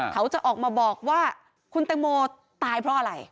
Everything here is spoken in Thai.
เขาจะออกมาบอกว่าคุณแตงโมตายเพราะอะไร